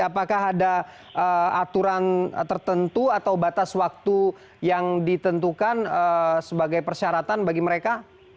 apakah ada aturan tertentu atau batas waktu yang ditentukan sebagai persyaratan bagi mereka